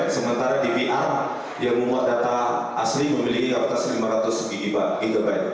sementara dpr yang membuat data asli memiliki kapasitas lima ratus gigit